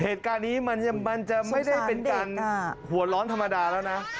เหตุการณ์นี้มันจะไม่ได้เป็นการหัวร้อนธรรมดาแล้วนะ